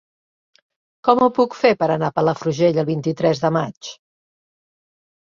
Com ho puc fer per anar a Palafrugell el vint-i-tres de maig?